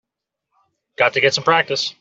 Got to get some practice.